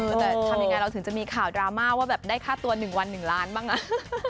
แต่ทำยังไงเราถึงจะมีข่าวดราม่าว่าแบบได้ค่าตัว๑วัน๑ล้านบ้างอ่ะ